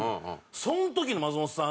その時の松本さん